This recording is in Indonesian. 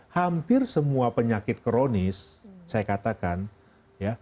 hampir semua penyakit kronis saya katakan ya